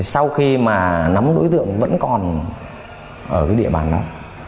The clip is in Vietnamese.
sau khi mà nắm đối tượng vẫn còn ở cái địa bàn đó